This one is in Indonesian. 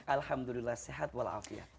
alhamdulillah sehat walafiat